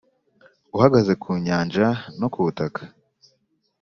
uhagaze ku nyanja no ku butaka.